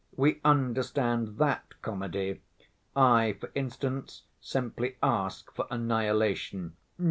We understand that comedy; I, for instance, simply ask for annihilation.